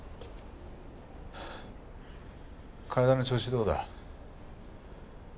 体の調子どうだ？